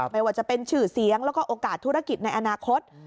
ไม่ว่าจะเป็นชื่อเสียงแล้วก็โอกาสธุรกิจในอนาคต